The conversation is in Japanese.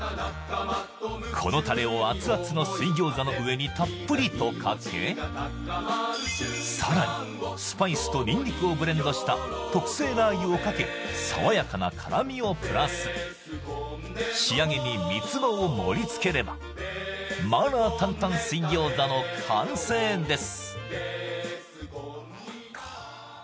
このタレをアツアツの水餃子の上にたっぷりとかけさらにスパイスとニンニクをブレンドした特製ラー油をかけ爽やかな辛みをプラス仕上げにみつばを盛りつければ麻辣担々水餃子の完成です